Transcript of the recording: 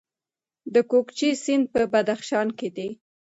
د کوکچې سیند په بدخشان کې دی